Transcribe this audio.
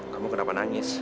kamu kenapa nangis